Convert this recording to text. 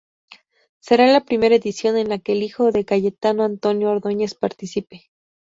Será la primera edición en la que el hijo de Cayetano, Antonio Ordóñez participe.